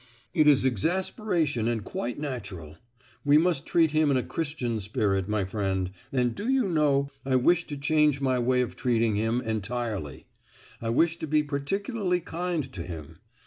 "It is exasperation, and quite natural. We must treat him in a Christian spirit, my friend; and do you know, I wish to change my way of treating him, entirely; I wish to be particularly kind to him.